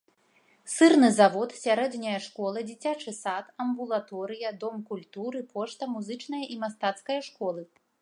Сырны завод, сярэдняя школа, дзіцячы сад, амбулаторыя, дом культуры, пошта, музычная і мастацкая школы.